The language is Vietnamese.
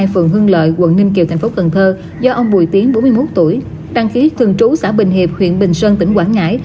phường hưng lợi quận ninh kiều tp cn do ông bùi tiến bốn mươi một tuổi đăng ký thường trú xã bình hiệp huyện bình sơn tỉnh quảng ngãi